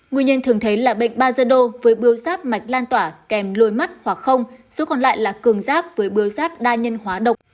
nguyên nhân thường thấy là bệnh ba dân đô với bướu giáp mạch lan tỏa kèm lôi mắt hoặc không số còn lại là cường giáp với bướu giáp đa nhân hóa độc